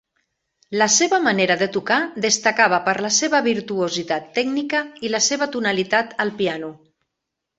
La seva manera de tocar destacava per la seva virtuositat tècnica i la seva tonalitat al piano.